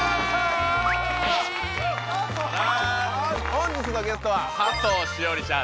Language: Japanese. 本日のゲストは佐藤栞里ちゃん